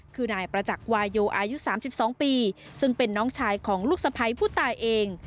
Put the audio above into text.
คือนายประจักษ์วายโยอายุ๓๒ปีซึ่งเป็นน้องชายของลูกสะพ้ายผู้ตายเอง